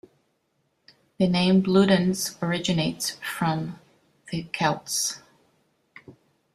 The name Bludenz originates from the Celts.